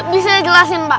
kita bisa jelasin pak